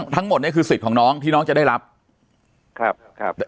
ทั้งหมดเนี่ยคือสิทธิ์ของน้องที่น้องจะได้รับครับครับ